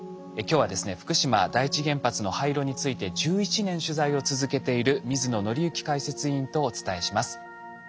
今日はですね福島第一原発の廃炉について１１年取材を続けている水野倫之解説委員とお伝えします。